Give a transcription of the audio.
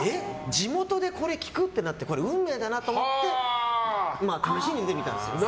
地元でこれ聞く？ってなって運命だなと思って試しに受けてみたんですよ。